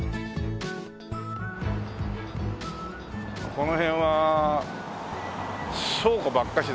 この辺は倉庫ばっかしだから。